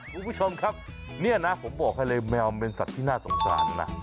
คุณผู้ชมครับเนี่ยนะผมบอกให้เลยแมวเป็นสัตว์ที่น่าสงสารนะ